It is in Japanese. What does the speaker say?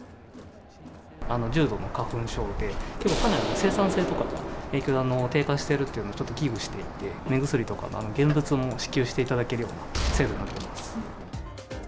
重度の花粉症で、結構かなり生産性とかが低下しているっていうの、危惧していて、目薬とかの現物も支給していただけるような制度になっています。